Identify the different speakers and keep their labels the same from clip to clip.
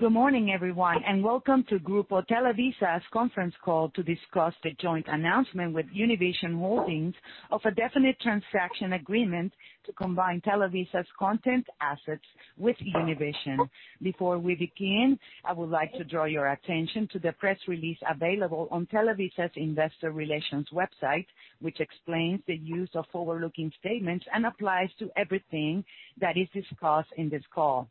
Speaker 1: Good morning, everyone, and welcome to Grupo Televisa's conference call to discuss the joint announcement with Univision Holdings of a definite transaction agreement to combine Televisa's content assets with Univision. Before we begin, I would like to draw your attention to the press release available on Televisa's investor relations website, which explains the use of forward-looking statements and applies to everything that is discussed in this call.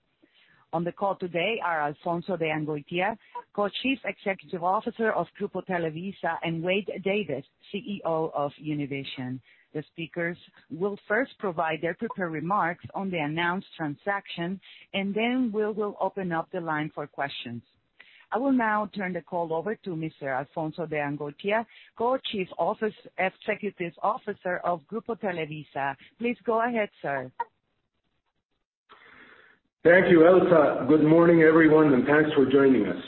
Speaker 1: On the call today are Alfonso de Angoitia, Co-Chief Executive Officer of Grupo Televisa, and Wade Davis, CEO of Univision. The speakers will first provide their prepared remarks on the announced transaction, and then we will open up the line for questions. I will now turn the call over to Mr. Alfonso de Angoitia, Co-Chief Executive Officer of Grupo Televisa. Please go ahead, sir.
Speaker 2: Thank you, Elsa. Good morning, everyone, and thanks for joining us.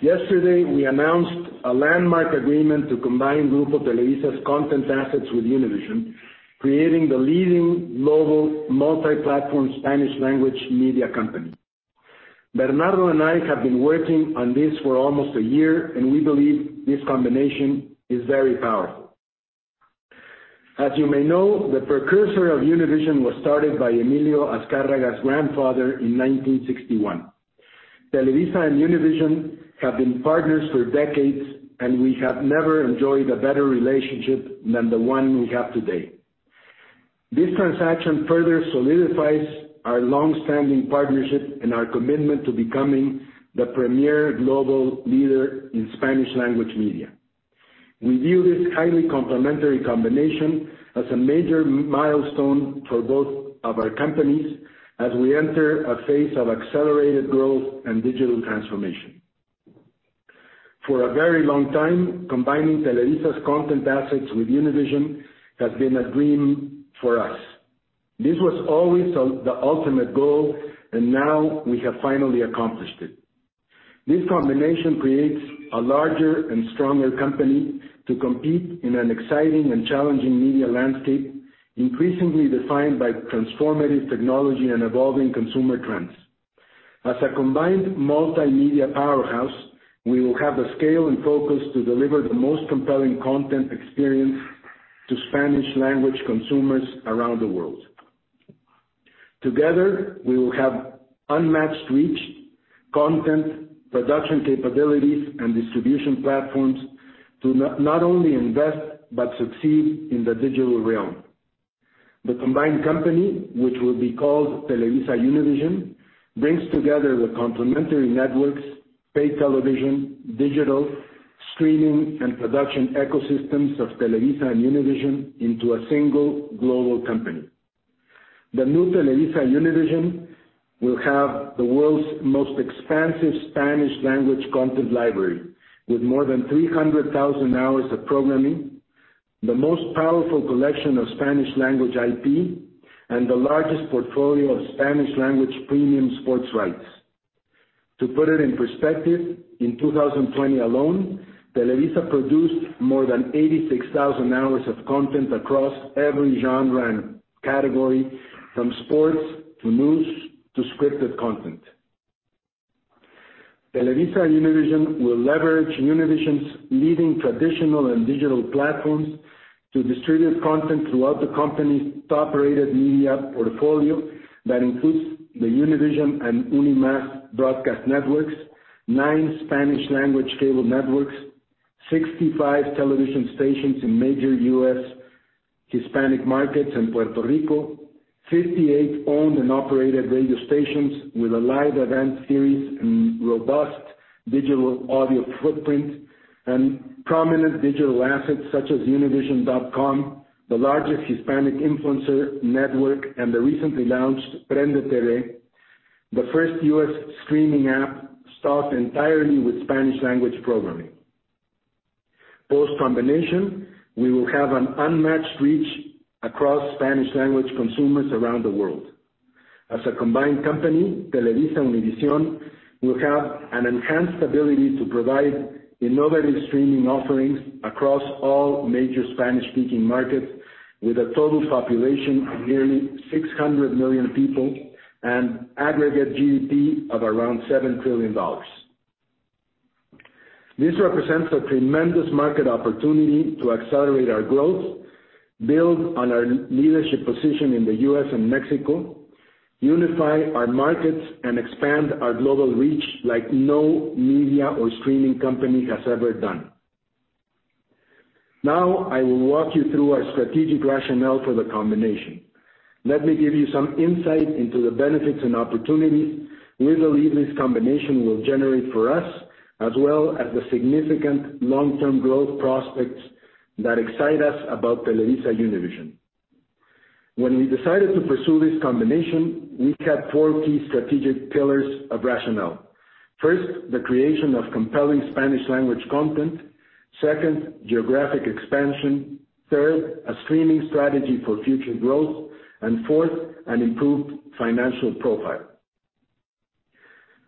Speaker 2: Yesterday, we announced a landmark agreement to combine Grupo Televisa's content assets with Univision, creating the leading global multi-platform Spanish language media company. Bernardo and I have been working on this for almost one year, and we believe this combination is very powerful. As you may know, the precursor of Univision was started by Emilio Azcárraga's grandfather in 1961. Televisa and Univision have been partners for decades, and we have never enjoyed a better relationship than the one we have today. This transaction further solidifies our long-standing partnership and our commitment to becoming the premier global leader in Spanish language media. We view this highly complementary combination as a major milestone for both of our companies as we enter a phase of accelerated growth and digital transformation. For a very long time, combining Televisa's content assets with Univision has been a dream for us. This was always the ultimate goal, and now we have finally accomplished it. This combination creates a larger and stronger company to compete in an exciting and challenging media landscape, increasingly defined by transformative technology and evolving consumer trends. As a combined multimedia powerhouse, we will have the scale and focus to deliver the most compelling content experience to Spanish language consumers around the world. Together, we will have unmatched reach, content, production capabilities, and distribution platforms to not only invest but succeed in the digital realm. The combined company, which will be called TelevisaUnivision, brings together the complementary networks, paid television, digital, streaming, and production ecosystems of Televisa and Univision into a single global company. The new TelevisaUnivision will have the world's most expansive Spanish language content library with more than 300,000 hours of programming, the most powerful collection of Spanish language IP, and the largest portfolio of Spanish language premium sports rights. To put it in perspective, in 2020 alone, Televisa produced more than 86,000 hours of content across every genre and category, from sports to news to scripted content. TelevisaUnivision will leverage Univision's leading traditional and digital platforms to distribute content throughout the company's top-rated media portfolio. That includes the Univision and UniMás broadcast networks, nine Spanish language cable networks, 65 television stations in major U.S. Hispanic markets in Puerto Rico, 58 owned and operated radio stations with a live event series and robust digital audio footprint, and prominent digital assets such as Univision.com, the largest Hispanic influencer network, and the recently launched PrendeTV, the first U.S. streaming app stocked entirely with Spanish language programming. Post-combination, we will have an unmatched reach across Spanish language consumers around the world. As a combined company, TelevisaUnivision will have an enhanced ability to provide innovative streaming offerings across all major Spanish-speaking markets with a total population of nearly 600 million people and aggregate GDP of around $7 trillion. This represents a tremendous market opportunity to accelerate our growth, build on our leadership position in the U.S. and Mexico, unify our markets, and expand our global reach like no media or streaming company has ever done. Now, I will walk you through our strategic rationale for the combination. Let me give you some insight into the benefits and opportunities we believe this combination will generate for us, as well as the significant long-term growth prospects that excite us about TelevisaUnivision. When we decided to pursue this combination, we had four key strategic pillars of rationale. First, the creation of compelling Spanish language content. Second, geographic expansion. Third, a streaming strategy for future growth, and fourth, an improved financial profile.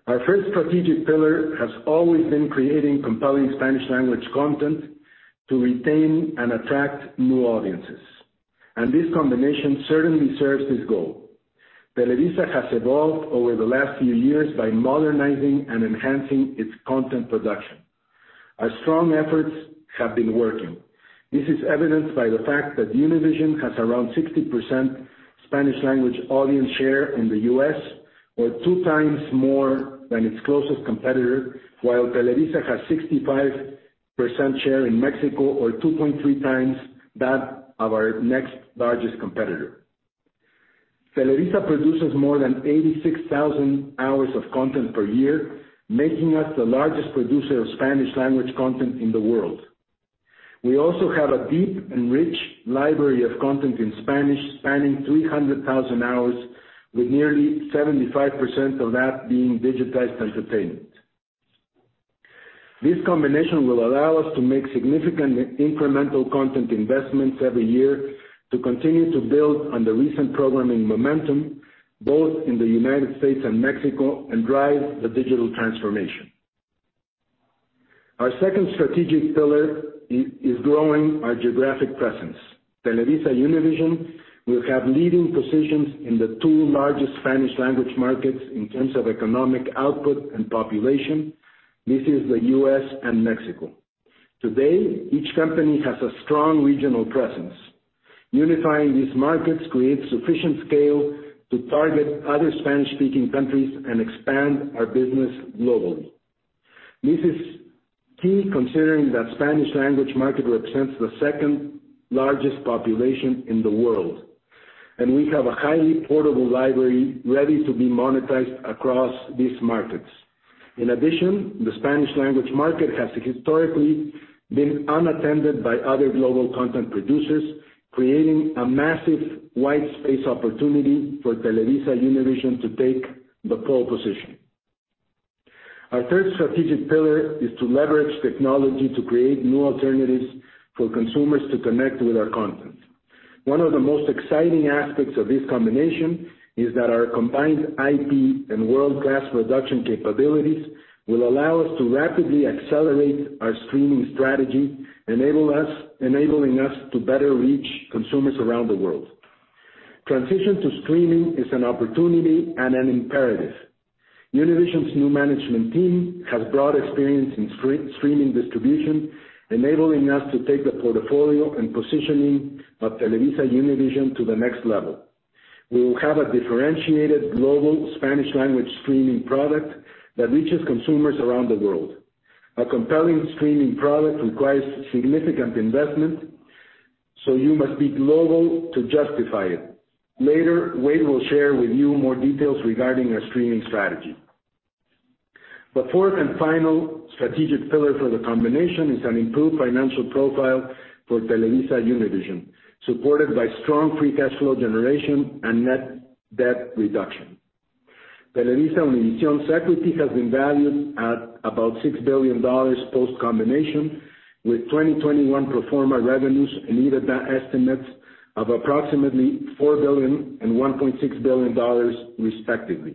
Speaker 2: Our first strategic pillar has always been creating compelling Spanish language content to retain and attract new audiences. This combination certainly serves this goal. Televisa has evolved over the last few years by modernizing and enhancing its content production. Our strong efforts have been working. This is evidenced by the fact that Univision has around 60% Spanish language audience share in the U.S., or two times more than its closest competitor, while Televisa has 65% share in Mexico, or 2.3 times that of our next largest competitor. Televisa produces more than 86,000 hours of content per year, making us the largest producer of Spanish language content in the world. We also have a deep and rich library of content in Spanish, spanning 300,000 hours, with nearly 75% of that being digitized entertainment. This combination will allow us to make significant incremental content investments every year to continue to build on the recent programming momentum both in the United States and Mexico, and drive the digital transformation. Our second strategic pillar is growing our geographic presence. TelevisaUnivision will have leading positions in the two largest Spanish-language markets in terms of economic output and population. This is the U.S. and Mexico. Today, each company has a strong regional presence. Unifying these markets creates sufficient scale to target other Spanish-speaking countries and expand our business globally. This is key considering that Spanish-language market represents the second largest population in the world, and we have a highly portable library ready to be monetized across these markets. In addition, the Spanish-language market has historically been unattended by other global content producers, creating a massive whitespace opportunity for TelevisaUnivision to take the pole position. Our third strategic pillar is to leverage technology to create new alternatives for consumers to connect with our content. One of the most exciting aspects of this combination is that our combined IP and world-class production capabilities will allow us to rapidly accelerate our streaming strategy, enabling us to better reach consumers around the world. Transition to streaming is an opportunity and an imperative. Univision's new management team has broad experience in streaming distribution, enabling us to take the portfolio and positioning of TelevisaUnivision to the next level. We will have a differentiated global Spanish language streaming product that reaches consumers around the world. A compelling streaming product requires significant investment, so you must be global to justify it. Later, Wade will share with you more details regarding our streaming strategy. The fourth and final strategic pillar for the combination is an improved financial profile for TelevisaUnivision, supported by strong free cash flow generation and net debt reduction. TelevisaUnivision's equity has been valued at about $6 billion post combination with 2021 pro forma revenues and EBITDA estimates of approximately $4 billion and $1.6 billion, respectively.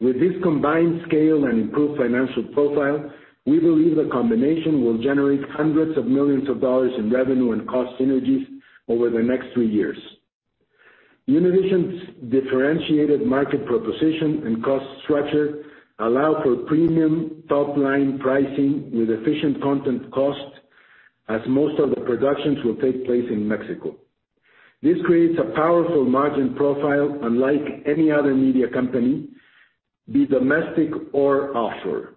Speaker 2: With this combined scale and improved financial profile, we believe the combination will generate hundreds of millions of dollars in revenue and cost synergies over the next three years. Univision's differentiated market proposition and cost structure allow for premium top-line pricing with efficient content cost, as most of the productions will take place in Mexico. This creates a powerful margin profile unlike any other media company, be domestic or offshore.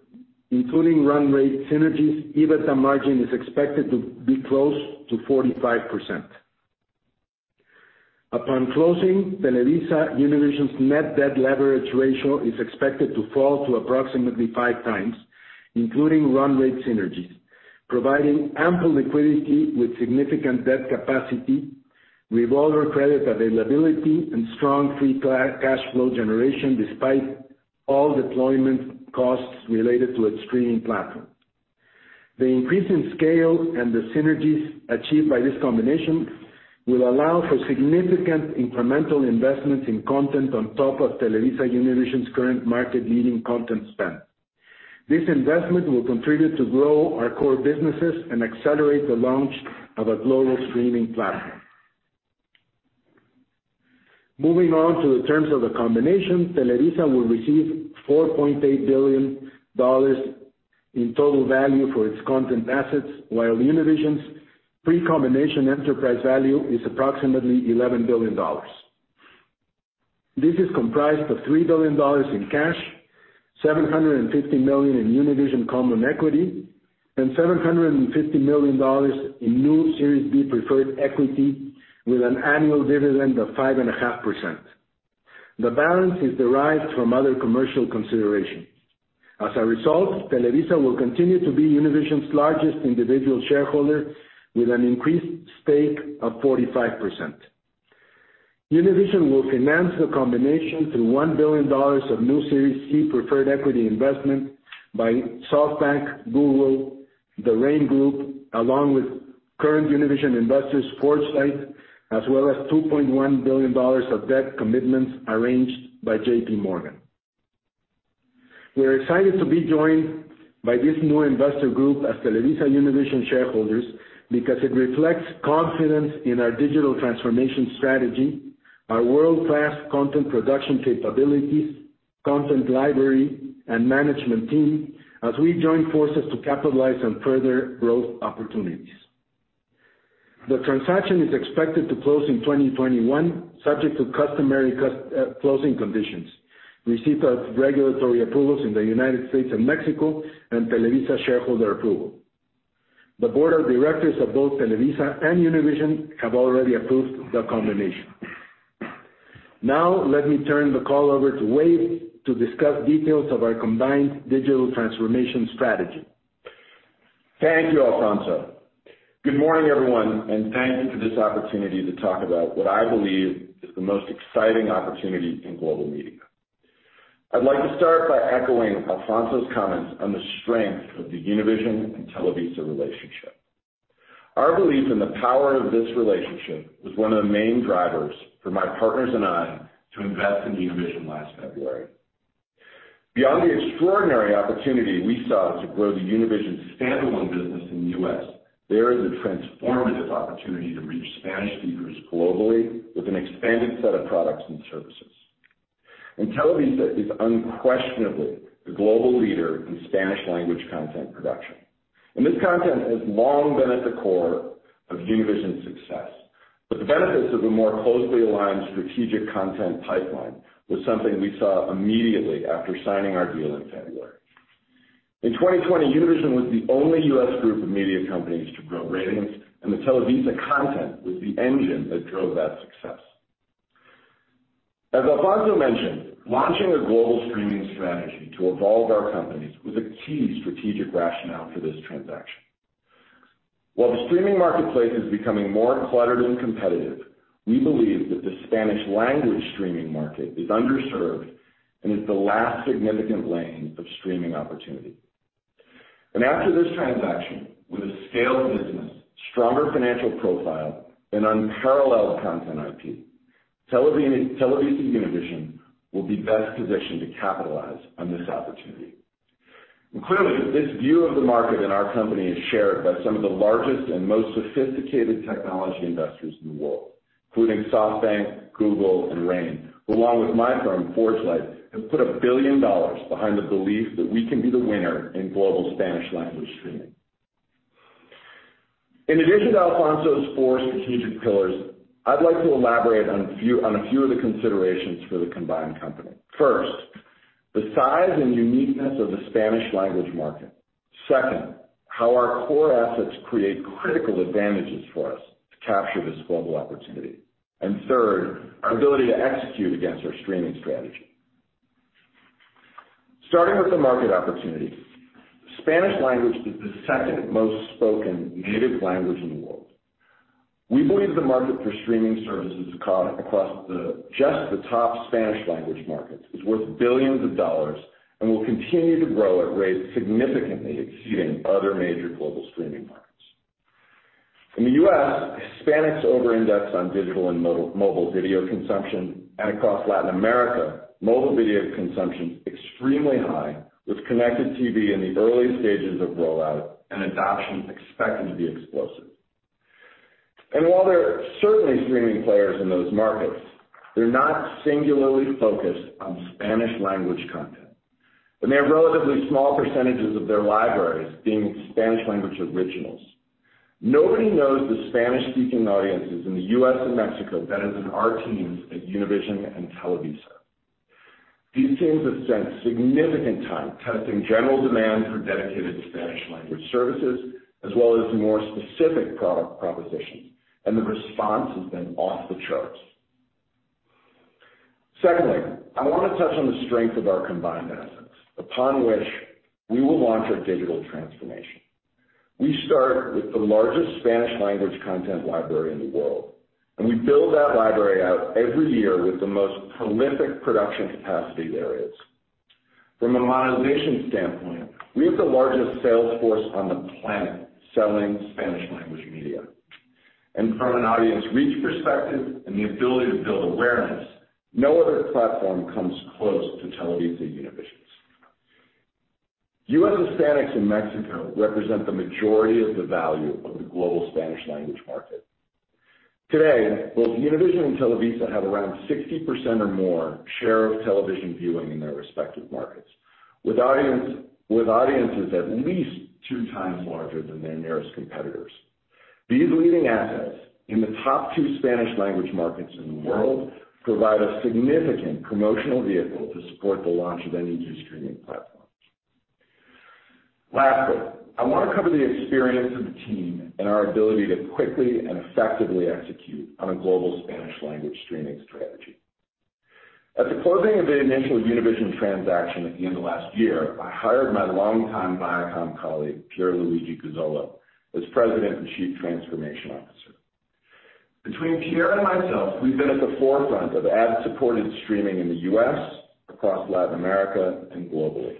Speaker 2: Including run rate synergies, EBITDA margin is expected to be close to 45%. Upon closing, TelevisaUnivision's net debt leverage ratio is expected to fall to approximately five times, including run rate synergies, providing ample liquidity with significant debt capacity, revolver credit availability, and strong free cash flow generation despite all deployment costs related to its streaming platform. The increase in scale and the synergies achieved by this combination will allow for significant incremental investments in content on top of TelevisaUnivision's current market-leading content spend. This investment will contribute to grow our core businesses and accelerate the launch of a global streaming platform. Moving on to the terms of the combination. Televisa will receive $4.8 billion in total value for its content assets, while Univision's pre-combination enterprise value is approximately $11 billion. This is comprised of $3 billion in cash, $750 million in Univision common equity, and $750 million in new Series D preferred equity with an annual dividend of 5.5%. The balance is derived from other commercial considerations. As a result, Televisa will continue to be Univision's largest individual shareholder with an increased stake of 45%. Univision will finance the combination through $1 billion of new Series C preferred equity investment by SoftBank, Google, The Raine Group, along with current Univision investors, ForgeLight, as well as $2.1 billion of debt commitments arranged by JPMorgan. We're excited to be joined by this new investor group as TelevisaUnivision shareholders because it reflects confidence in our digital transformation strategy, our world-class content production capabilities, content library, and management team, as we join forces to capitalize on further growth opportunities. The transaction is expected to close in 2021, subject to customary closing conditions, receipt of regulatory approvals in the United States and Mexico, and Televisa shareholder approval. The board of directors of both Televisa and Univision have already approved the combination. Let me turn the call over to Wade to discuss details of our combined digital transformation strategy.
Speaker 3: Thank you, Alfonso. Good morning, everyone. Thank you for this opportunity to talk about what I believe is the most exciting opportunity in global media. I'd like to start by echoing Alfonso's comments on the strength of the Univision and Televisa relationship. Our belief in the power of this relationship was one of the main drivers for my partners and I to invest in Univision last February. Beyond the extraordinary opportunity we saw to grow the Univision standalone business in the U.S., there is a transformative opportunity to reach Spanish speakers globally with an expanded set of products and services. Televisa is unquestionably the global leader in Spanish language content production, and this content has long been at the core of Univision's success. The benefits of a more closely aligned strategic content pipeline was something we saw immediately after signing our deal in February. In 2020, Univision was the only U.S. group of media companies to grow ratings, and the Televisa content was the engine that drove that success. As Alfonso mentioned, launching a global streaming strategy to evolve our companies was a key strategic rationale for this transaction. While the streaming marketplace is becoming more cluttered and competitive, we believe that the Spanish language streaming market is underserved and is the last significant lane of streaming opportunity. After this transaction, with a scaled business, stronger financial profile, and unparalleled content IP, TelevisaUnivision will be best positioned to capitalize on this opportunity. Clearly, this view of the market and our company is shared by some of the largest and most sophisticated technology investors in the world, including SoftBank, Google, and Raine, who along with my firm, ForgeLight, have put $1 billion behind the belief that we can be the winner in global Spanish language streaming. In addition to Alfonso's four strategic pillars, I'd like to elaborate on a few of the considerations for the combined company. First, the size and uniqueness of the Spanish language market. Second, how our core assets create critical advantages for us to capture this global opportunity. Third, our ability to execute against our streaming strategy. Starting with the market opportunity, Spanish language is the second most spoken native language in the world. We believe the market for streaming services across just the top Spanish-language markets is worth billions of dollars and will continue to grow at rates significantly exceeding other major global streaming markets. In the U.S., Hispanics over index on digital and mobile video consumption, and across Latin America, mobile video consumption is extremely high, with connected TV in the early stages of rollout and adoption expected to be explosive. While there are certainly streaming players in those markets, they're not singularly focused on Spanish-language content, and they have relatively small percentages of their libraries being Spanish-language originals. Nobody knows the Spanish-speaking audiences in the U.S. and Mexico better than our teams at Univision and Televisa. These teams have spent significant time testing general demand for dedicated Spanish-language services, as well as more specific product propositions, and the response has been off the charts. Secondly, I want to touch on the strength of our combined assets, upon which we will launch our digital transformation. We start with the largest Spanish language content library in the world, and we build that library out every year with the most prolific production capacity there is. From a monetization standpoint, we have the largest sales force on the planet selling Spanish language media. From an audience reach perspective and the ability to build awareness, no other platform comes close to TelevisaUnivision's. U.S. Hispanics and Mexico represent the majority of the value of the global Spanish language market. Today, both Univision and Televisa have around 60% or more share of television viewing in their respective markets, with audiences at least two times larger than their nearest competitors. These leading assets in the top two Spanish language markets in the world provide a significant promotional vehicle to support the launch of any new streaming platforms. Lastly, I want to cover the experience of the team and our ability to quickly and effectively execute on a global Spanish language streaming strategy. At the closing of the initial Univision transaction at the end of last year, I hired my longtime Viacom colleague, Pierluigi Gazzolo, as President and Chief Transformation Officer. Between Pier and myself, we've been at the forefront of ad-supported streaming in the U.S., across Latin America, and globally.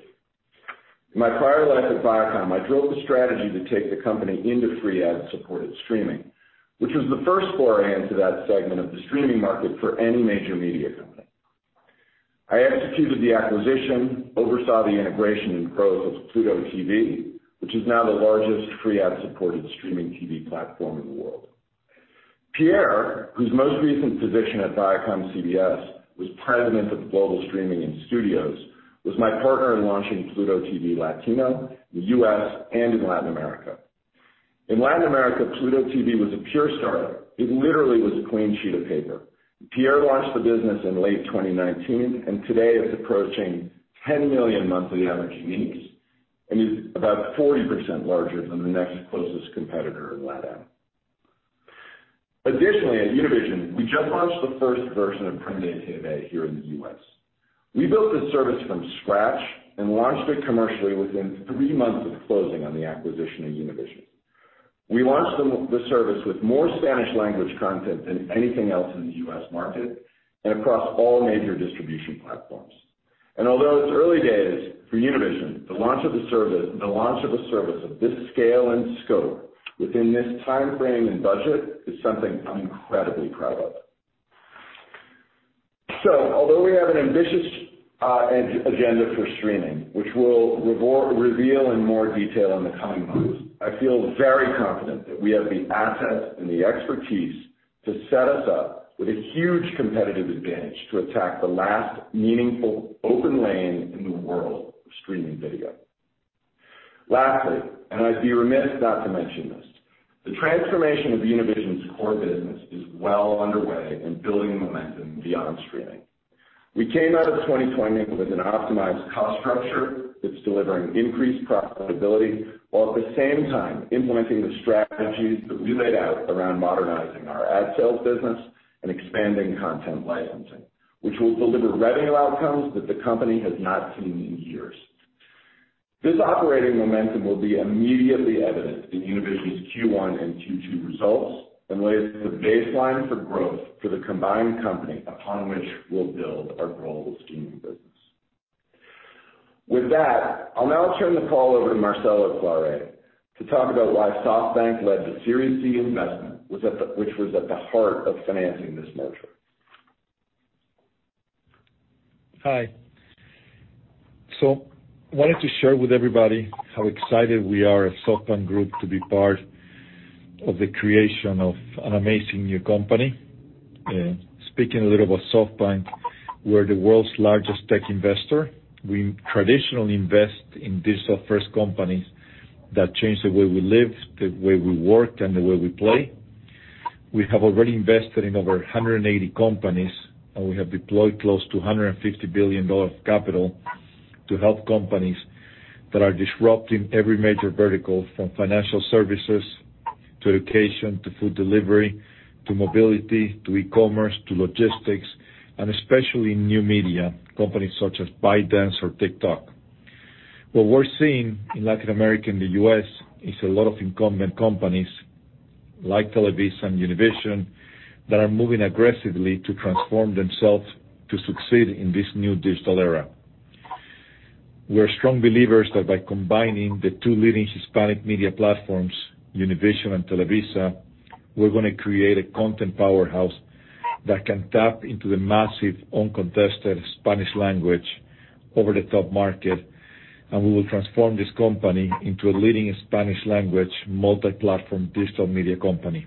Speaker 3: In my prior life at Viacom, I drove the strategy to take the company into free ad-supported streaming, which was the first foray into that segment of the streaming market for any major media company. I executed the acquisition, oversaw the integration and growth of Pluto TV, which is now the largest free ad-supported streaming TV platform in the world. Pier, whose most recent position at ViacomCBS was President of Global Streaming and Studios, was my partner in launching Pluto TV Latino in the U.S. and in Latin America. In Latin America, Pluto TV was a pure start-up. It literally was a clean sheet of paper. Pier launched the business in late 2019, and today it's approaching 10 million monthly average uniques, and is about 40% larger than the next closest competitor in LatAm. Additionally, at Univision, we just launched the first version of PrendeTV here in the U.S. We built this service from scratch and launched it commercially within three months of closing on the acquisition of Univision. We launched the service with more Spanish language content than anything else in the U.S. market, and across all major distribution platforms. Although it's early days for Univision, the launch of a service of this scale and scope within this timeframe and budget is something I'm incredibly proud of. Although we have an ambitious agenda for streaming, which we'll reveal in more detail in the coming months, I feel very confident that we have the assets and the expertise to set us up with a huge competitive advantage to attack the last meaningful open lane in the world of streaming video. Lastly, and I'd be remiss not to mention this, the transformation of Univision's core business is well underway and building momentum beyond streaming. We came out of 2020 with an optimized cost structure that's delivering increased profitability, while at the same time implementing the strategies that we laid out around modernizing our ad sales business and expanding content licensing, which will deliver revenue outcomes that the company has not seen in years. This operating momentum will be immediately evident in Univision's Q1 and Q2 results and lays the baseline for growth for the combined company upon which we'll build our global streaming business. With that, I'll now turn the call over to Marcelo Claure to talk about why SoftBank led the Series C investment, which was at the heart of financing this merger.
Speaker 4: Hi. Wanted to share with everybody how excited we are at SoftBank Group to be part of the creation of an amazing new company. Speaking a little about SoftBank, we're the world's largest tech investor. We traditionally invest in digital-first companies that change the way we live, the way we work, and the way we play. We have already invested in over 180 companies, and we have deployed close to $150 billion of capital to help companies that are disrupting every major vertical from financial services to education, to food delivery, to mobility, to e-commerce, to logistics, and especially new media companies such as ByteDance or TikTok. What we're seeing in Latin America and the U.S. is a lot of incumbent companies like Televisa and Univision that are moving aggressively to transform themselves to succeed in this new digital era. We're strong believers that by combining the two leading Hispanic media platforms, Univision and Televisa, we're going to create a content powerhouse that can tap into the massive, uncontested Spanish language over-the-top market, and we will transform this company into a leading Spanish language, multi-platform digital media company.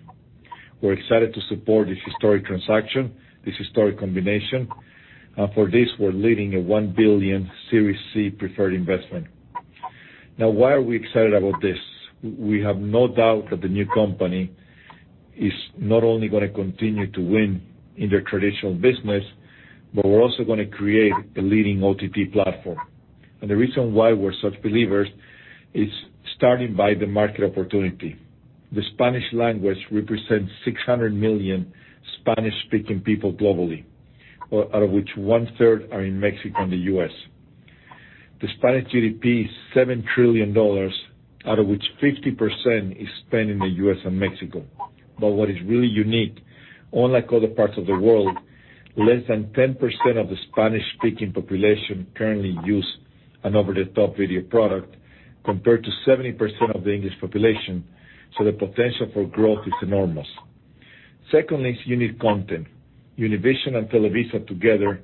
Speaker 4: We're excited to support this historic transaction, this historic combination, and for this, we're leading a $1 billion Series C preferred investment. Now, why are we excited about this? We have no doubt that the new company is not only going to continue to win in their traditional business, but we're also going to create a leading OTT platform. The reason why we're such believers is starting by the market opportunity. The Spanish language represents 600 million Spanish-speaking people globally, out of which one third are in Mexico and the U.S. The Spanish GDP is $7 trillion, out of which 50% is spent in the U.S. and Mexico. What is really unique, unlike other parts of the world, less than 10% of the Spanish-speaking population currently use an over-the-top video product, compared to 70% of the English population, so the potential for growth is enormous. Secondly is unique content. Univision and Televisa together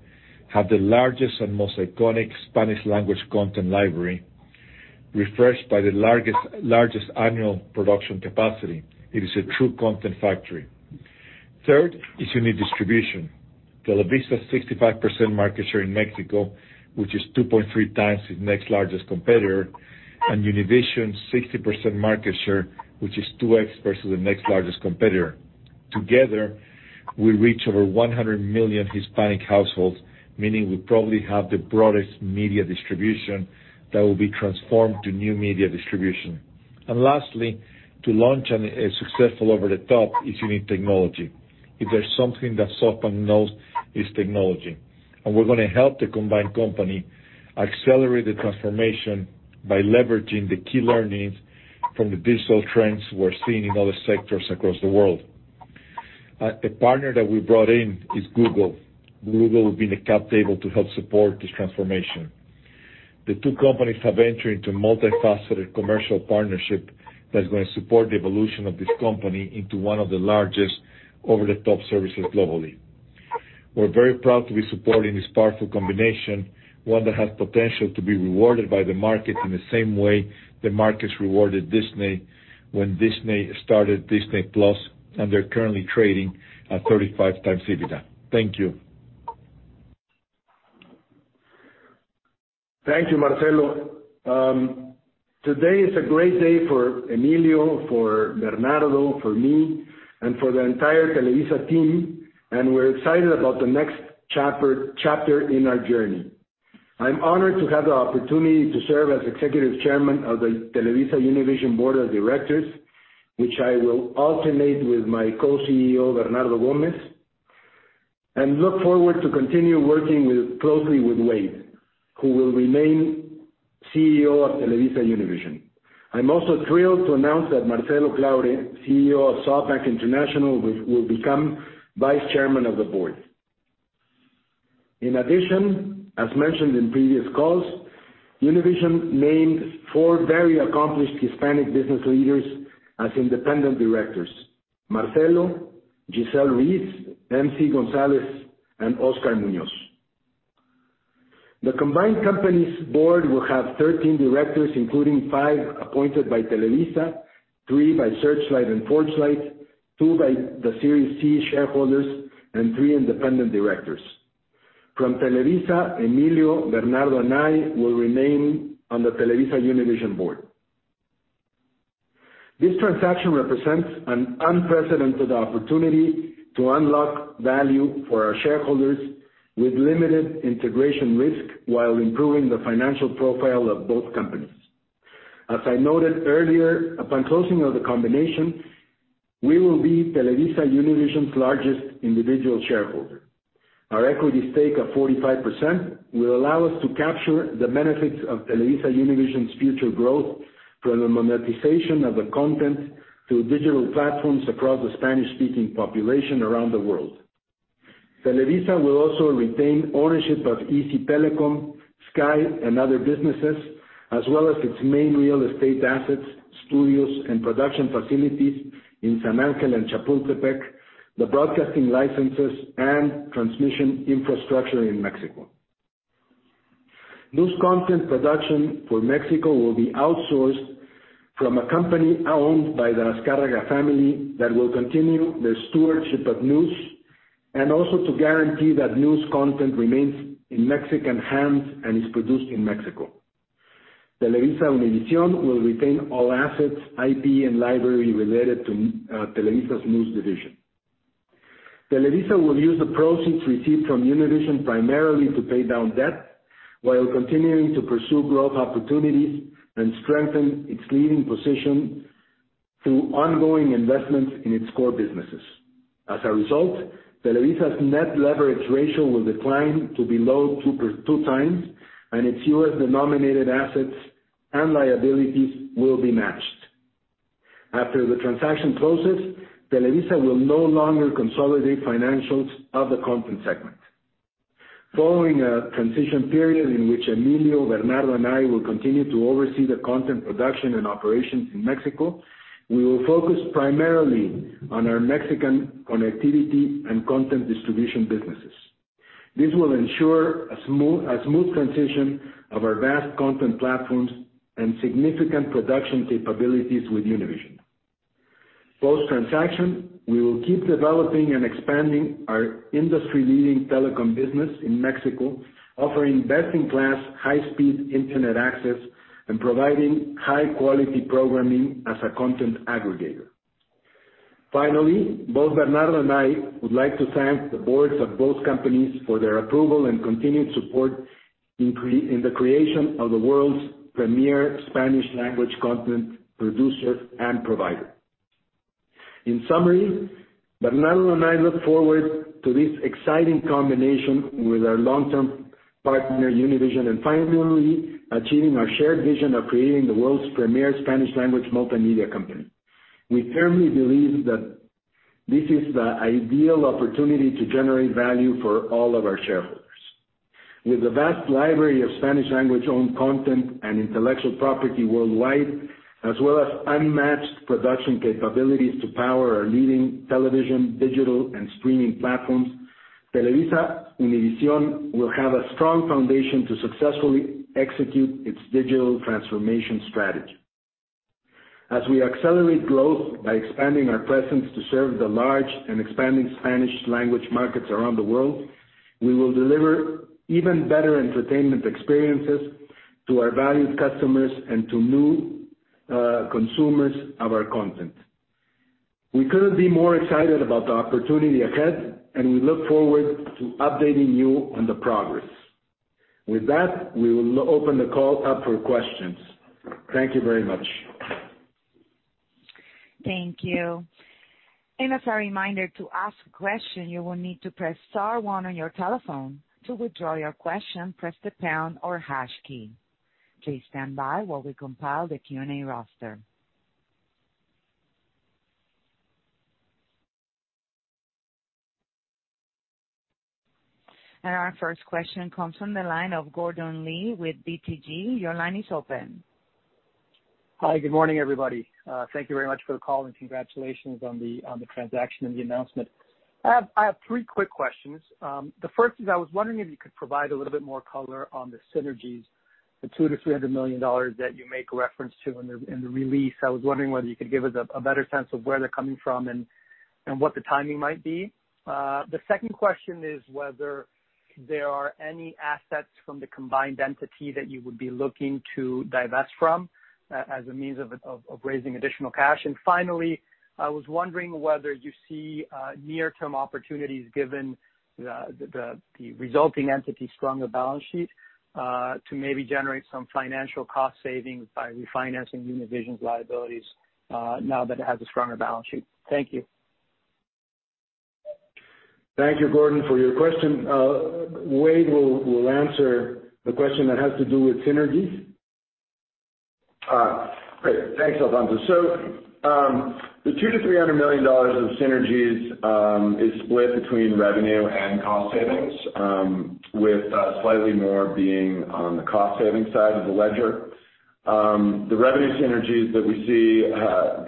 Speaker 4: have the largest and most iconic Spanish-language content library, refreshed by the largest annual production capacity. It is a true content factory. Third is unique distribution. Televisa has 65% market share in Mexico, which is 2.3 times its next largest competitor, and Univision's 60% market share, which is 2x versus the next largest competitor. Together, we reach over 100 million Hispanic households, meaning we probably have the broadest media distribution that will be transformed to new media distribution. Lastly, to launch successful over-the-top, is unique technology. If there's something that SoftBank knows, it's technology, and we're going to help the combined company accelerate the transformation by leveraging the key learnings from the digital trends we're seeing in other sectors across the world. A partner that we brought in is Google. Google will be in the cap table to help support this transformation. The two companies have entered into a multifaceted commercial partnership that's going to support the evolution of this company into one of the largest over-the-top services globally. We're very proud to be supporting this powerful combination, one that has potential to be rewarded by the market in the same way the markets rewarded Disney when Disney started Disney+, and they're currently trading at 35x EBITDA. Thank you.
Speaker 2: Thank you, Marcelo. Today is a great day for Emilio, for Bernardo, for me, and for the entire Televisa team. We're excited about the next chapter in our journey. I'm honored to have the opportunity to serve as Executive Chairman of the TelevisaUnivision Board of Directors, which I will alternate with my Co-CEO, Bernardo Gómez. Look forward to continue working closely with Wade, who will remain CEO of TelevisaUnivision. I'm also thrilled to announce that Marcelo Claure, CEO of SoftBank International Group, will become Vice Chairman of the board. In addition, as mentioned in previous calls, Univision named four very accomplished Hispanic business leaders as independent directors: Marcelo, Gisel Ruiz, MC González, and Oscar Munoz. The combined company's board will have 13 directors, including five appointed by Televisa, three by Searchlight and ForgeLight, two by the Series C shareholders, and three independent directors. From Televisa, Emilio, Bernardo, and I will remain on the TelevisaUnivision board. This transaction represents an unprecedented opportunity to unlock value for our shareholders with limited integration risk while improving the financial profile of both companies. As I noted earlier, upon closing of the combination, we will be TelevisaUnivision's largest individual shareholder. Our equity stake of 45% will allow us to capture the benefits of TelevisaUnivision's future growth from the monetization of the content through digital platforms across the Spanish-speaking population around the world. Televisa will also retain ownership of izzi, Sky México, and other businesses, as well as its main real estate assets, studios, and production facilities in San Ángel and Chapultepec, the broadcasting licenses, and transmission infrastructure in Mexico. News content production for Mexico will be outsourced from a company owned by the Azcárraga family that will continue the stewardship of news and also to guarantee that news content remains in Mexican hands and is produced in Mexico. TelevisaUnivision will retain all assets, IP, and library related to Televisa's news division. Televisa will use the proceeds received from Univision primarily to pay down debt while continuing to pursue growth opportunities and strengthen its leading position through ongoing investments in its core businesses. As a result, Televisa's net leverage ratio will decline to below 2x, and its U.S.-denominated assets and liabilities will be matched. After the transaction closes, Televisa will no longer consolidate financials of the content segment. Following a transition period in which Emilio, Bernardo, and I will continue to oversee the content production and operations in Mexico, we will focus primarily on our Mexican connectivity and content distribution businesses. This will ensure a smooth transition of our vast content platforms and significant production capabilities with Univision. Post-transaction, we will keep developing and expanding our industry-leading telecom business in Mexico, offering best-in-class high-speed internet access and providing high-quality programming as a content aggregator. Finally, both Bernardo and I would like to thank the boards of both companies for their approval and continued support in the creation of the world's premier Spanish language content producer and provider. In summary, Bernardo and I look forward to this exciting combination with our long-term partner, Univision, and finally achieving our shared vision of creating the world's premier Spanish language multimedia company. We firmly believe that this is the ideal opportunity to generate value for all of our shareholders. With a vast library of Spanish language owned content and intellectual property worldwide, as well as unmatched production capabilities to power our leading television, digital, and streaming platforms, TelevisaUnivision will have a strong foundation to successfully execute its digital transformation strategy. As we accelerate growth by expanding our presence to serve the large and expanding Spanish language markets around the world, we will deliver even better entertainment experiences to our valued customers and to new consumers of our content. We couldn't be more excited about the opportunity ahead, and we look forward to updating you on the progress. With that, we will now open the call up for questions. Thank you very much.
Speaker 1: Thank you. As a reminder, to ask a question, you will need to press star one on your telephone. To withdraw your question, press the pound or hash key. Please stand by while we compile the Q&A roster. Our first question comes from the line of Gordon Lee with BTG. Your line is open.
Speaker 5: Hi. Good morning, everybody. Thank you very much for the call, and congratulations on the transaction and the announcement. I have three quick questions. The first is I was wondering if you could provide a little bit more color on the synergies, the $200 million-$300 million that you make a reference to in the release. I was wondering whether you could give us a better sense of where they're coming from and what the timing might be. The second question is whether there are any assets from the combined entity that you would be looking to divest from as a means of raising additional cash. Finally, I was wondering whether you see near-term opportunities given the resulting entity's stronger balance sheet to maybe generate some financial cost savings by refinancing Univision's liabilities now that it has a stronger balance sheet. Thank you.
Speaker 2: Thank you, Gordon, for your question. Wade will answer the question that has to do with synergies.
Speaker 3: Great. Thanks, Alfonso. The $200 million-$300 million of synergies is split between revenue and cost savings, with slightly more being on the cost savings side of the ledger. The revenue synergies that we see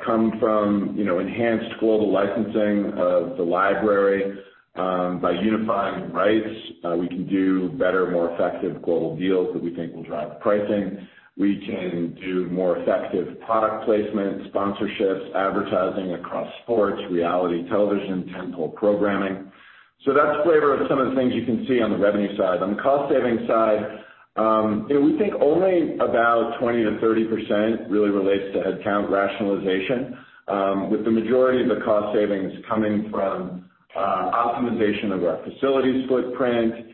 Speaker 3: come from enhanced global licensing of the library. By unifying rights, we can do better, more effective global deals that we think will drive pricing. We can do more effective product placement, sponsorships, advertising across sports, reality television, tentpole programming. That's a flavor of some of the things you can see on the revenue side. On the cost savings side, we think only about 20%-30% really relates to headcount rationalization, with the majority of the cost savings coming from optimization of our facilities footprint,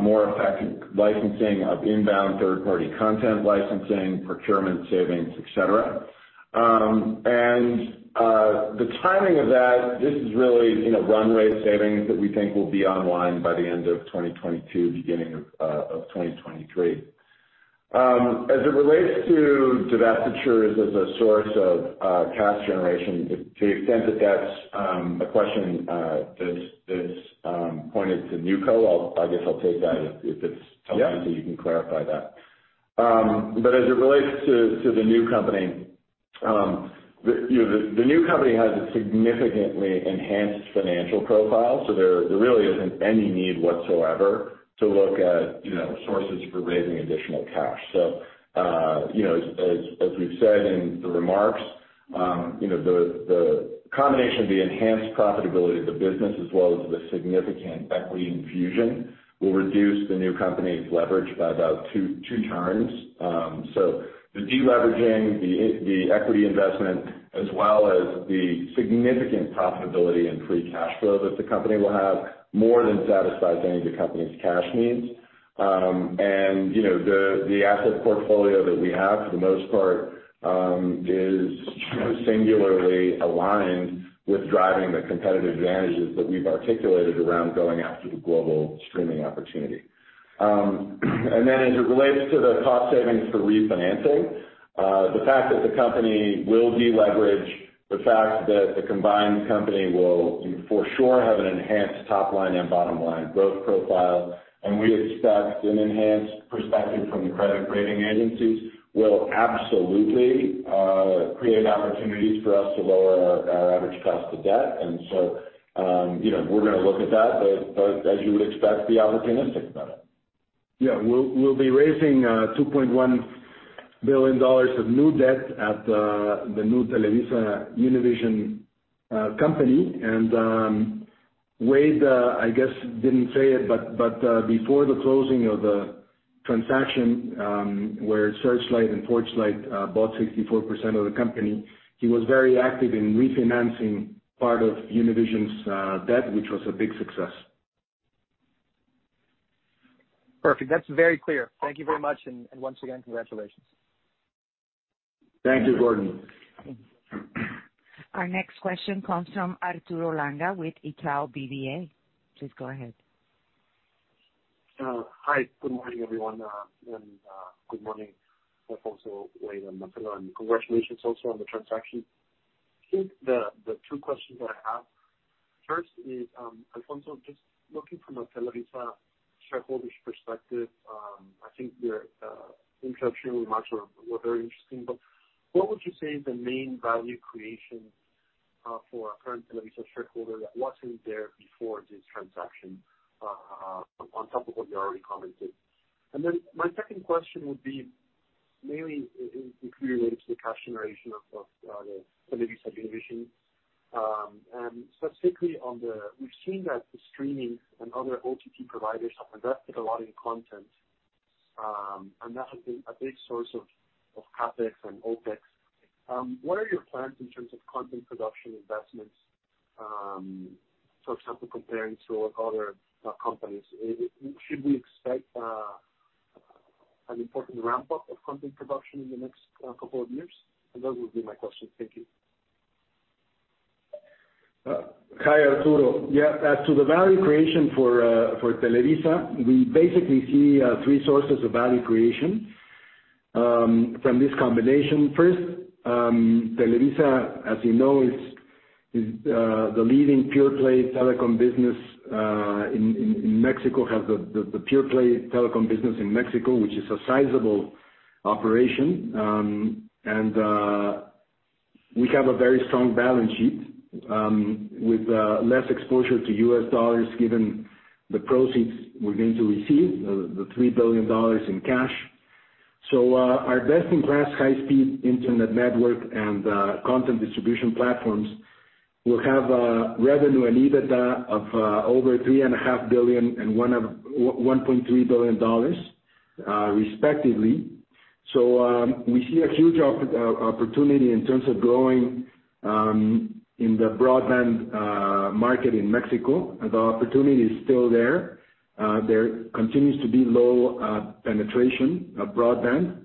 Speaker 3: more effective licensing of inbound third-party content licensing, procurement savings, et cetera. The timing of that, this is really run-rate savings that we think will be online by the end of 2022, beginning of 2023. As it relates to divestitures as a source of cash generation, to the extent that that's a question that's pointed to NewCo, I guess I'll take that.
Speaker 2: Yeah
Speaker 3: Alfonso, you can clarify that. As it relates to the new company, the new company has a significantly enhanced financial profile. There really isn't any need whatsoever to look at sources for raising additional cash. As we've said in the remarks, the combination of the enhanced profitability of the business as well as the significant equity infusion will reduce the new company's leverage by about two turns. The de-leveraging, the equity investment, as well as the significant profitability and free cash flow that the company will have more than satisfies any of the company's cash needs. The asset portfolio that we have, for the most part, is singularly aligned with driving the competitive advantages that we've articulated around going after the global streaming opportunity. As it relates to the cost savings for refinancing, the fact that the company will de-leverage, the fact that the combined company will for sure have an enhanced top line and bottom line growth profile, and we expect an enhanced perspective from the credit rating agencies will absolutely create opportunities for us to lower our average cost of debt. We're going to look at that, but as you would expect, be opportunistic about it.
Speaker 2: Yeah. We'll be raising $2.1 billion of new debt at the new TelevisaUnivision company. Wade, I guess, didn't say it, but before the closing of the transaction, where Searchlight and ForgeLight bought 64% of the company, he was very active in refinancing part of Univision's debt, which was a big success.
Speaker 5: Perfect. That's very clear. Thank you very much, and once again, congratulations.
Speaker 2: Thank you, Gordon.
Speaker 1: Our next question comes from Arturo Langa with Itaú BBA. Please go ahead.
Speaker 6: Hi. Good morning, everyone, and good morning Alfonso, Wade, and Marcelo, and congratulations also on the transaction. I think the two questions that I have, first is, Alfonso, just looking from a Televisa shareholders perspective, I think your introduction remarks were very interesting, but what would you say is the main value creation for a current Televisa shareholder that wasn't there before this transaction, on top of what you already commented? My second question would be mainly completely related to the cash generation of the TelevisaUnivision. Specifically, we've seen that the streaming and other OTT providers have invested a lot in content, and that has been a big source of CapEx and OpEx. What are your plans in terms of content production investments, for example, comparing to other companies? Should we expect an important ramp-up of content production in the next couple of years? Those would be my questions. Thank you.
Speaker 2: Hi, Arturo. Yeah. As to the value creation for Televisa, we basically see three sources of value creation from this combination. First, Televisa, as you know, is the leading pure-play telecom business in Mexico, has the pure-play telecom business in Mexico, which is a sizable operation. We have a very strong balance sheet with less exposure to U.S. dollars given the proceeds we're going to receive, the $3 billion in cash. Our best-in-class high-speed internet network and content distribution platforms will have a revenue and EBITDA of over $3.5 billion and $1.3 billion respectively. We see a huge opportunity in terms of growing in the broadband market in Mexico. The opportunity is still there. There continues to be low penetration of broadband.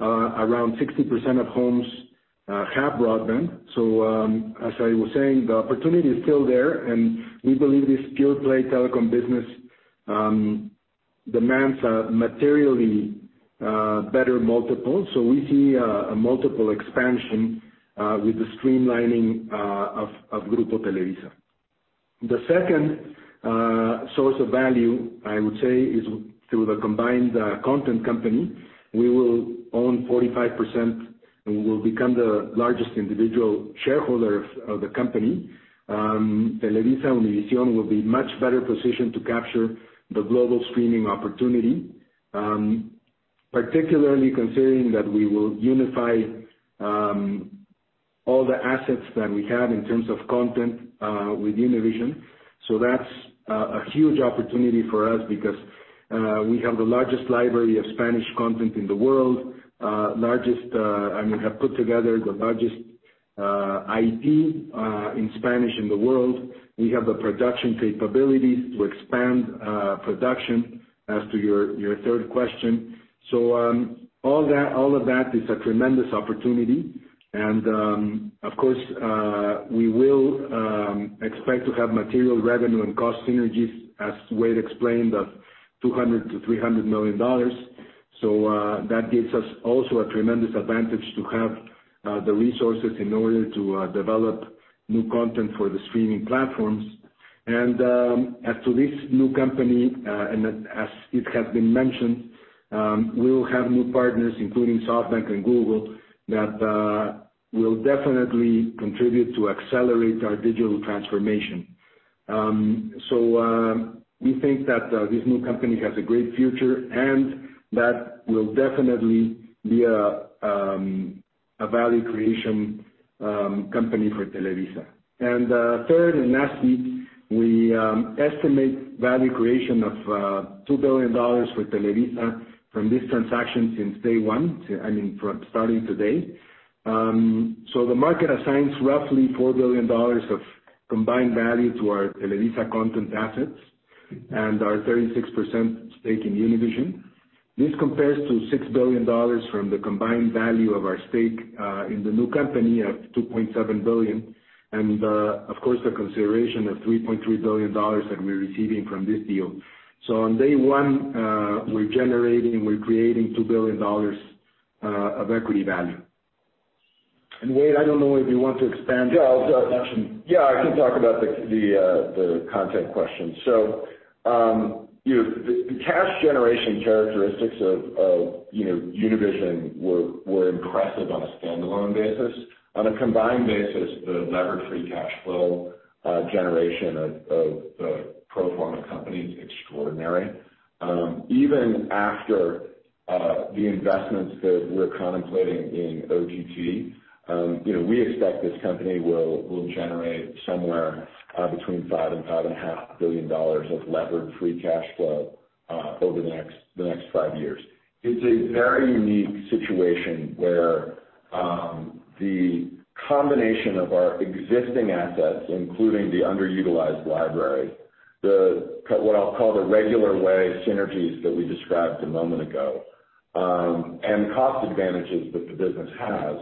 Speaker 2: Around 60% of homes have broadband. As I was saying, the opportunity is still there, and we believe this pure-play telecom business demands a materially better multiple. We see a multiple expansion with the streamlining of Grupo Televisa. The second source of value, I would say, is through the combined content company. We will own 45% and we will become the largest individual shareholder of the company. TelevisaUnivision will be much better positioned to capture the global streaming opportunity, particularly considering that we will unify all the assets that we have in terms of content with Univision. That's a huge opportunity for us because we have the largest library of Spanish content in the world. We have put together the largest IP in Spanish in the world. We have the production capabilities to expand production as to your third question. All of that is a tremendous opportunity. Of course, we will expect to have material revenue and cost synergies, as Wade explained, of $200 million-$300 million. That gives us also a tremendous advantage to have the resources in order to develop new content for the streaming platforms. As to this new company, as it has been mentioned, we will have new partners, including SoftBank and Google, that will definitely contribute to accelerate our digital transformation. We think that this new company has a great future and that will definitely be a value creation company for Televisa. Third and lastly, we estimate value creation of $2 billion with Televisa from this transaction since day one, starting today. The market assigns roughly $4 billion of combined value to our Televisa content assets and our 36% stake in Univision. This compares to $6 billion from the combined value of our stake in the new company at $2.7 billion. Of course, the consideration of $3.3 billion that we're receiving from this deal. On day one, we're creating $ 2 billion of equity value. Wade, I don't know if you want to expand on that.
Speaker 3: Yeah, I can talk about the content question. The cash generation characteristics of Univision were impressive on a standalone basis. On a combined basis, the levered free cash flow generation of the pro forma company is extraordinary. Even after the investments that we're contemplating in OTT, we expect this company will generate somewhere between $5 and $5.5 billion of levered free cash flow over the next five years. It's a very unique situation where the combination of our existing assets, including the underutilized library, what I'll call the regular way synergies that we described a moment ago, and cost advantages that the business has.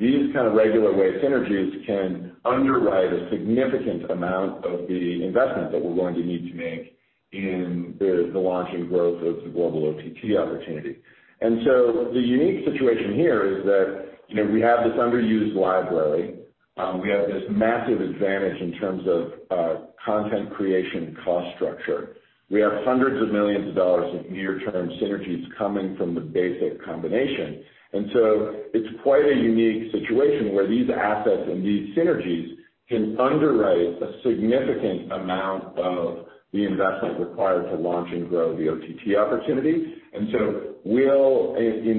Speaker 3: These kind of regular way synergies can underwrite a significant amount of the investment that we're going to need to make in the launch and growth of the global OTT opportunity. The unique situation here is that we have this underused library. We have this massive advantage in terms of content creation cost structure. We have hundreds of millions of dollars of near-term synergies coming from the basic combination. It's quite a unique situation where these assets and these synergies can underwrite a significant amount of the investment required to launch and grow the OTT opportunity. In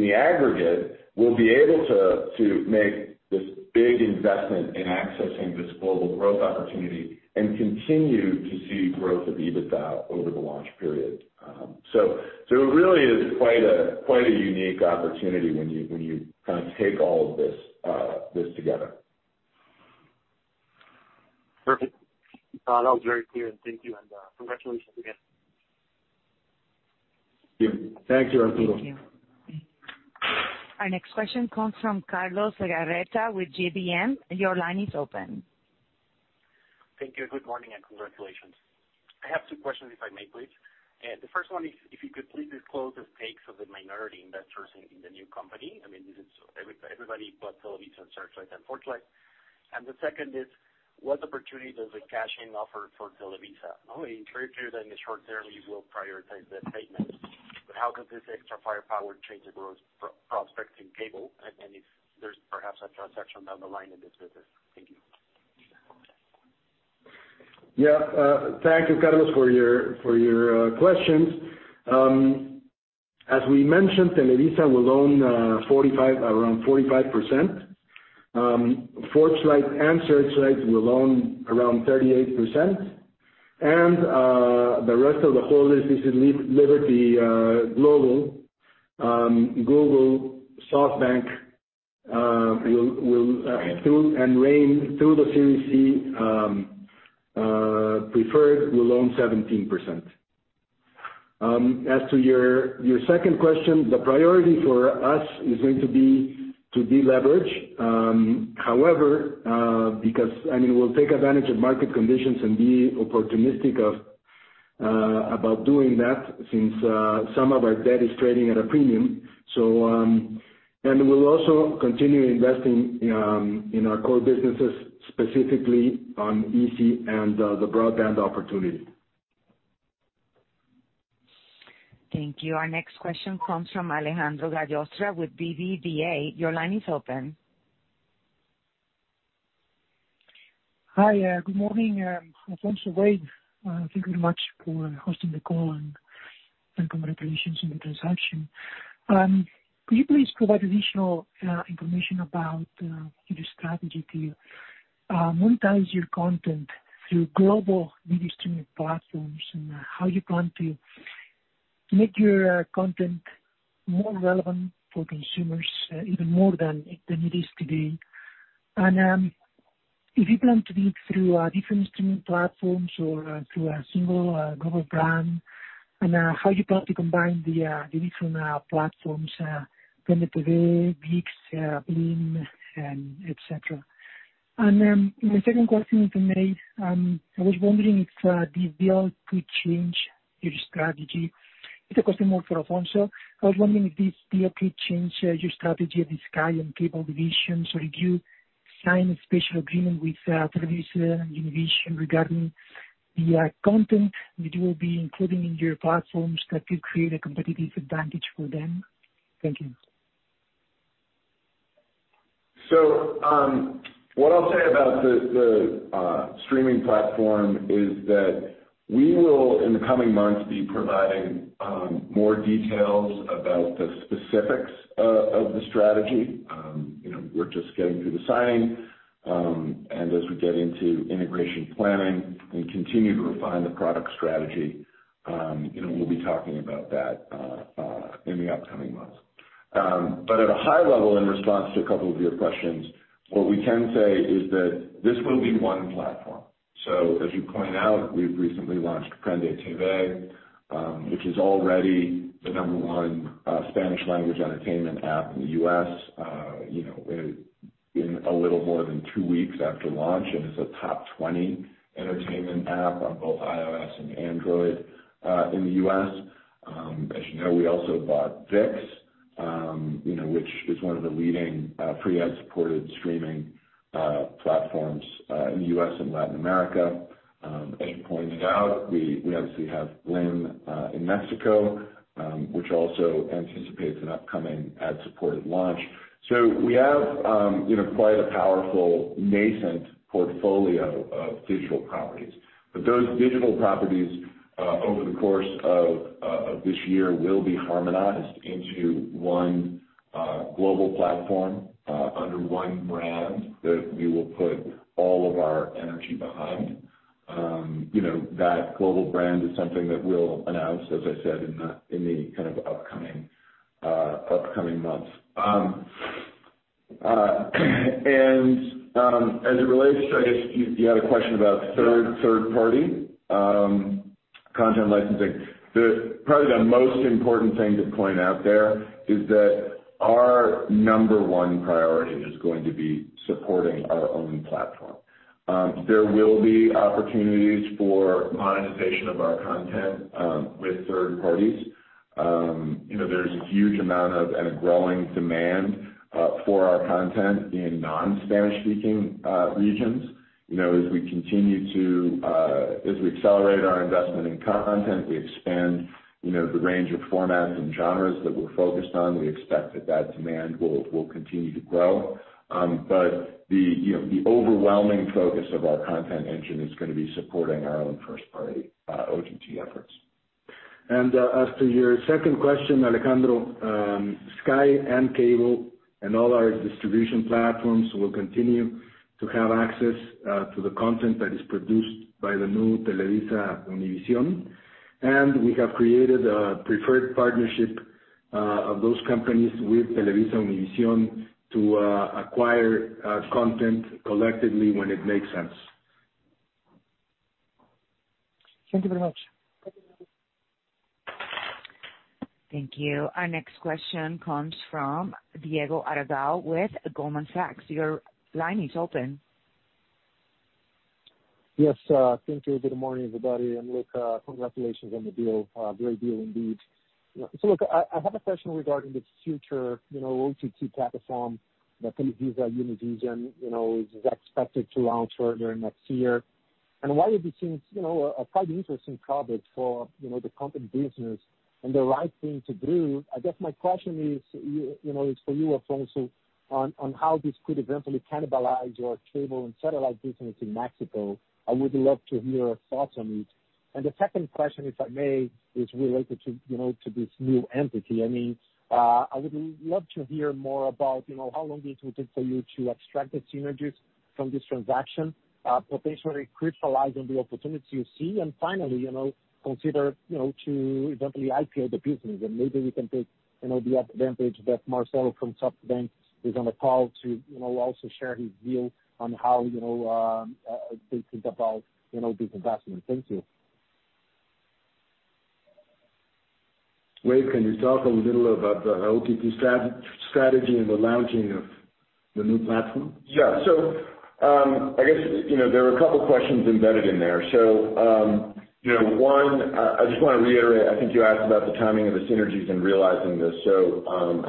Speaker 3: the aggregate, we'll be able to make this big investment in accessing this global growth opportunity and continue to see growth of EBITDA over the launch period. It really is quite a unique opportunity when you take all of this together.
Speaker 6: Perfect. That was very clear. Thank you, and congratulations again.
Speaker 3: Thank you.
Speaker 2: Thank you, Arturo.
Speaker 1: Thank you. Our next question comes from Carlos de Legarreta with GBM. Your line is open.
Speaker 7: Thank you. Good morning, and congratulations. I have two questions if I may please. The first one is, if you could please disclose the stakes of the minority investors in the new company. This is everybody but Televisa, Searchlight and ForgeLight. The second is, what opportunity does the cash-in offer for Televisa? I know it's very clear that in the short term you will prioritize the statements. How does this extra firepower change the growth prospects in cable? If there's perhaps a transaction down the line in this business. Thank you.
Speaker 2: Thank you, Carlos, for your questions. As we mentioned, Televisa will own around 45%. ForgeLight and Searchlight will own around 38%. The rest of the whole list is in Liberty Global. Google, SoftBank, and Raine through the Series C preferred will own 17%. As to your second question, the priority for us is going to be to deleverage. However, because we'll take advantage of market conditions and be opportunistic about doing that since some of our debt is trading at a premium. We'll also continue investing in our core businesses, specifically on izzi and the broadband opportunity.
Speaker 1: Thank you. Our next question comes from Alejandro Gallostra with BBVA. Your line is open.
Speaker 8: Hi. Good morning, Alfonso, Wade. Thank you very much for hosting the call, and congratulations on the transaction. Could you please provide additional information about your strategy to monetize your content through global media streaming platforms and how you plan to make your content more relevant for consumers, even more than it is today? If you plan to do it through different streaming platforms or through a single global brand. How you plan to combine the different platforms, PrendeTV, ViX, Blim, and et cetera. My second question, I was wondering if this deal could change your strategy. It's a question more for Alfonso. I was wondering if this deal could change your strategy at the Sky and Cable divisions, or if you sign a special agreement with TelevisaUnivision regarding the content that you will be including in your platforms that could create a competitive advantage for them. Thank you.
Speaker 3: What I'll say about the streaming platform is that we will, in the coming months, be providing more details about the specifics of the strategy. We're just getting through the signing. As we get into integration planning and continue to refine the product strategy, we'll be talking about that in the upcoming months. At a high level, in response to a couple of your questions, what we can say is that this will be one platform. As you point out, we've recently launched PrendeTV, which is already the number one Spanish language entertainment app in the U.S. in a little more than two weeks after launch, and is a top 20 entertainment app on both iOS and Android, in the U.S. As you know, we also bought ViX, which is one of the leading free ad-supported streaming platforms in the U.S. and Latin America. As you pointed out, we obviously have Blim in Mexico, which also anticipates an upcoming ad-supported launch. We have quite a powerful nascent portfolio of digital properties. Those digital properties, over the course of this year, will be harmonized into one global platform, under one brand that we will put all of our energy behind. That global brand is something that we'll announce, as I said, in the upcoming months. As it relates to, I guess you had a question about third party content licensing. Probably the most important thing to point out there is that our number one priority is going to be supporting our own platform. There will be opportunities for monetization of our content with third parties. There's a huge amount of, and a growing demand for our content in non-Spanish speaking regions. As we accelerate our investment in content, we expand the range of formats and genres that we're focused on. We expect that that demand will continue to grow. The overwhelming focus of our content engine is gonna be supporting our own first party OTT efforts.
Speaker 2: As to your second question, Alejandro, Sky and Cable and all our distribution platforms will continue to have access to the content that is produced by the new TelevisaUnivision. We have created a preferred partnership of those companies with TelevisaUnivision to acquire content collectively when it makes sense.
Speaker 8: Thank you very much.
Speaker 1: Thank you. Our next question comes from Diego Aragão with Goldman Sachs. Your line is open.
Speaker 9: Yes. Thank you. Good morning, everybody. Look, congratulations on the deal. Great deal indeed. I have a question regarding the future OTT platform that TelevisaUnivision is expected to launch early next year. While it seems a quite interesting coverage for the company business and the right thing to do, I guess my question is, it's for you, Alfonso, on how this could eventually cannibalize your cable and satellite business in Mexico. I would love to hear your thoughts on it. The second question, if I may, is related to this new entity. I would love to hear more about how long it will take for you to extract the synergies from this transaction, potentially crystallizing the opportunity you see. Finally, consider to eventually IPO the business. Maybe we can take the advantage that Marcelo from SoftBank is on the call to also share his view on how they think about this investment. Thank you.
Speaker 2: Wade, can you talk a little about the OTT strategy and the launching of the new platform?
Speaker 3: Yeah. I guess there are a couple of questions embedded in there. One, I just want to reiterate, I think you asked about the timing of the synergies and realizing this.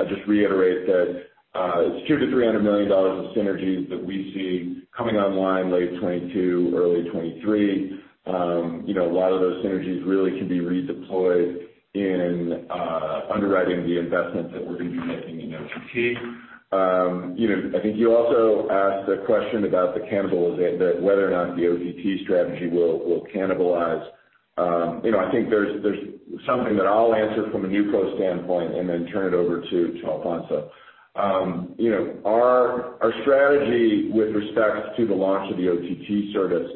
Speaker 3: I just reiterate that it's $200 million-$300 million of synergies that we see coming online late 2022, early 2023. A lot of those synergies really can be redeployed in underwriting the investments that we're going to be making in OTT. I think you also asked the question about the cannibalization, that whether or not the OTT strategy will cannibalize. I think there's something that I'll answer from a NewCo standpoint and then turn it over to Alfonso. Our strategy with respect to the launch of the OTT service,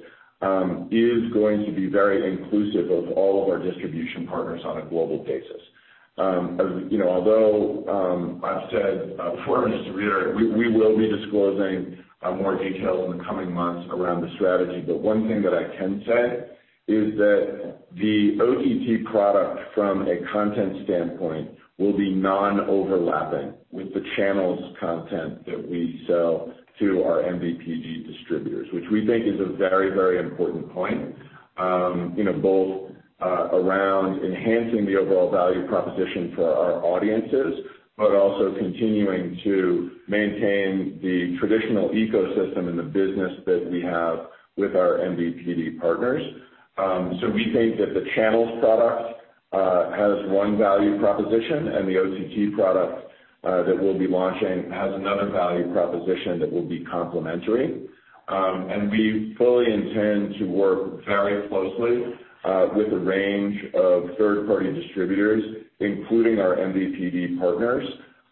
Speaker 3: is going to be very inclusive of all of our distribution partners on a global basis. Although, I've said before, and just to reiterate, we will be disclosing more detail in the coming months around the strategy. One thing that I can say is that the OTT product from a content standpoint will be non-overlapping with the channels content that we sell to our MVPD distributors, which we think is a very, very important point. Both around enhancing the overall value proposition for our audiences, but also continuing to maintain the traditional ecosystem in the business that we have with our MVPD partners. We think that the channels product has one value proposition and the OTT product that we'll be launching has another value proposition that will be complementary. We fully intend to work very closely, with a range of third-party distributors, including our MVPD partners,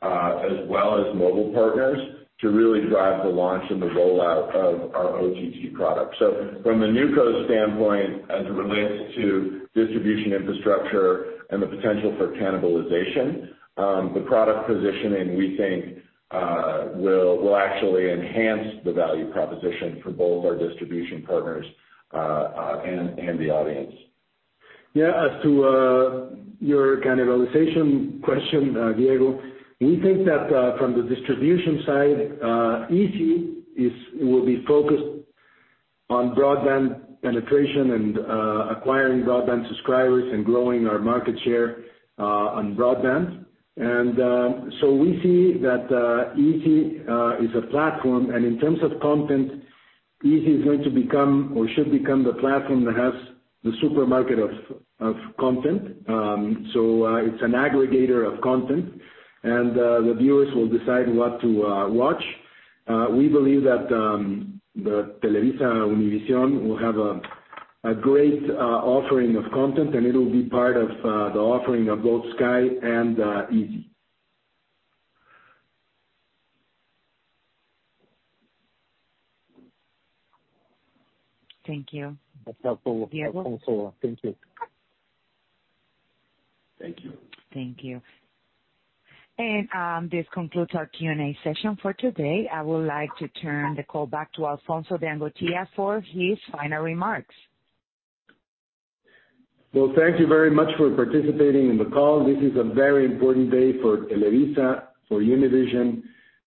Speaker 3: as well as mobile partners, to really drive the launch and the rollout of our OTT product. From the NewCo standpoint, as it relates to distribution infrastructure and the potential for cannibalization, the product positioning, we think, will actually enhance the value proposition for both our distribution partners and the audience.
Speaker 2: As to your cannibalization question, Diego, we think that, from the distribution side, izzi will be focused on broadband penetration and acquiring broadband subscribers and growing our market share on broadband. We see that izzi is a platform, and in terms of content, izzi is going to become or should become the platform that has the supermarket of content. It's an aggregator of content. The viewers will decide what to watch. We believe that the TelevisaUnivision will have a great offering of content, and it will be part of the offering of both Sky México and izzi.
Speaker 1: Thank you.
Speaker 9: That's helpful, Alfonso. Thank you.
Speaker 2: Thank you.
Speaker 1: Thank you. This concludes our Q&A session for today. I would like to turn the call back to Alfonso de Angoitia for his final remarks.
Speaker 2: Well, thank you very much for participating in the call. This is a very important day for Televisa, for Univision,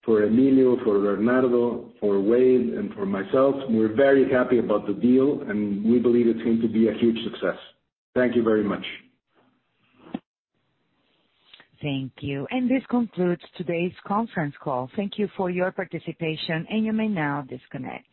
Speaker 2: for Emilio, for Bernardo, for Wade, and for myself. We're very happy about the deal, and we believe it's going to be a huge success. Thank you very much.
Speaker 1: Thank you. This concludes today's conference call. Thank you for your participation, and you may now disconnect.